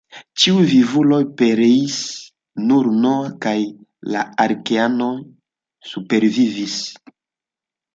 Ĉiuj vivuloj pereis, nur Noa kaj la arkeanoj supervivis.